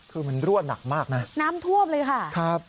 ที่มันร่วมหนักมากน้ำทอบเลยค่ะคับ